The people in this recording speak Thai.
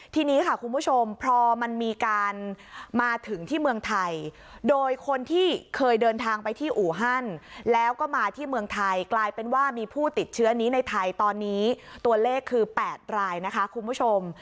ทีนี้ค่ะคุณผู้ชมพอมันมีการมาถึงที่เมืองไทยโดยคนที่เคยเดินทางไปที่อูฮันแล้วก็มาที่เมืองไทยกลายเป็นว่ามีผู้ติดเชื้อนี้ในไทยตอนนี้ตัวเลขคือ๘รายนะคะคุณผู้ชม